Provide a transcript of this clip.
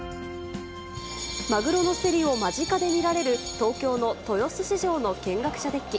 マグロの競りを間近で見られる、東京の豊洲市場の見学者デッキ。